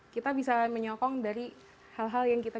kita bisa menyokong dari hal hal lain